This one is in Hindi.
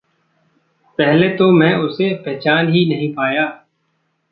पहले तो मैं उसे पहचान ही नहीं पाया।